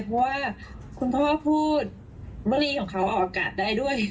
เพราะว่าคุณพ่อพูดบรีของเขาออกอากาศได้ด้วย